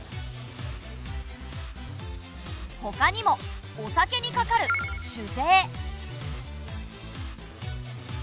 ほかにもお酒にかかる酒税。